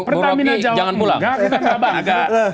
pertamina jawab enggak